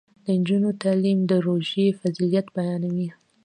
د نجونو تعلیم د روژې فضیلت بیانوي.